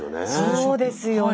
そうですよね。